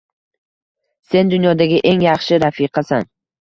Sen dunyodagi eng yaxshi rafiqasan